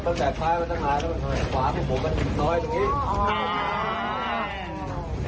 ก็แสกขวาให้หน้าหลังว่าตรงนี้คนขวาแสกผมก็ทิ้งปลอยตรงนี้